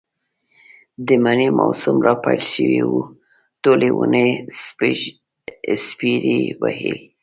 د مني موسم را پيل شوی و، ټولې ونې سپېرې وې.